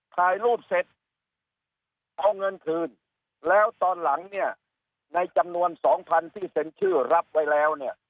ถ่ายรูปเสร็จเอาเงินถืนแล้วตอนหลังในจำนวน๒๐๐๐ที่เซ็นชื่อรับไว้แล้ว